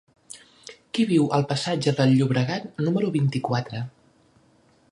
Qui viu al passatge del Llobregat número vint-i-quatre?